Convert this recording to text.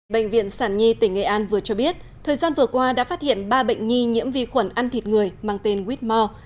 bệnh viện sản nhi tỉnh nghệ an vừa cho biết thời gian vừa qua đã phát hiện ba bệnh nhi nhiễm vi khuẩn ăn thịt người mang tên whitmore